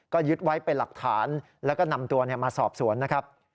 ก็ยึดไว้เป็นหลักฐานแล้วก็นำตัวมาสอบสวนนะครับ